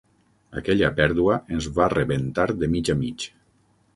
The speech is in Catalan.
Aquella pèrdua ens va rebentar de mig a mig.